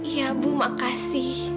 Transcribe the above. iya bu makasih